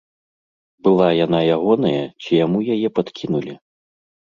Была яна ягоная ці яму яе падкінулі?